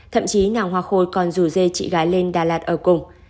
thậm chí nàng hoa khôi còn rủ dê chị gái lên đà lạt ở cùng